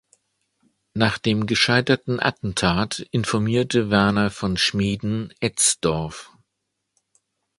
Nach dem gescheiterten Attentat informierte Werner von Schmieden Etzdorf.